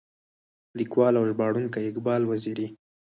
ليکوال او ژباړونکی اقبال وزيري.